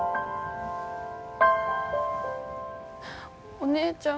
お姉ちゃん。